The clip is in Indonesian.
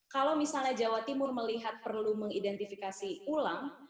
kalau misalnya jawa timur melihat perlu mengidentifikasi ulang